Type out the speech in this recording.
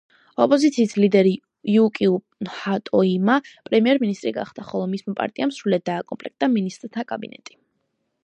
ოპოზიციის ლიდერი იუკიო ჰატოიამა პრემიერ-მინისტრი გახდა, ხოლო მისმა პარტიამ სრულად დააკომპლექტა მინისტრთა კაბინეტი.